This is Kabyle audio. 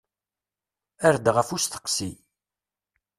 Err-d ɣef usteqsi.